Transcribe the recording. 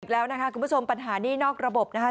แล้วนะคะคุณผู้ชมปัญหานี่นอกระบบนะคะ